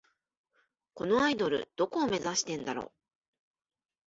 このアイドル、どこを目指してんだろ